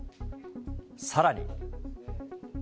さらに。